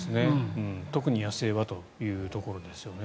特に野生はというところですよね。